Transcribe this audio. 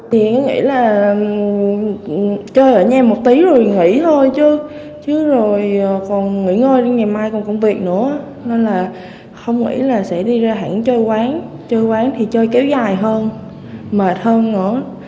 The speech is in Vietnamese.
thì nghĩ là chơi ở nhà một tí rồi nghỉ thôi chứ chứ rồi còn nghỉ ngơi đến ngày mai còn công việc nữa nên là không nghĩ là sẽ đi ra hẳn chơi quán chơi quán thì chơi kéo dài hơn mệt hơn nữa